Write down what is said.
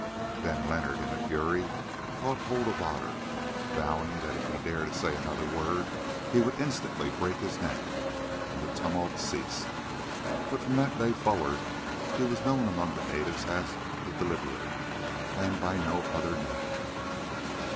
Then Leonard, in a fury, caught hold of Otter, vowing that if he dared to say another word he would instantly break his neck, and the tumult ceased. But from that day forward he was known among the natives as "The Deliverer," and by no other name.